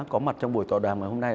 có mặt trong buổi tòa đàm ngày hôm nay